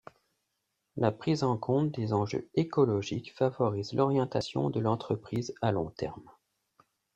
La prise en compte des enjeux écologiques favorise l'orientation de l'entreprise à long terme.